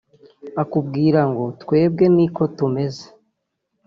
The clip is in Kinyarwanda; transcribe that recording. akakubwira ngo “Twebwe ni ko tumeze